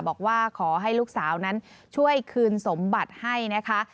บอกว่าขอให้ลูกสาวนั้นช่วยคืนสมบัติให้นะคะ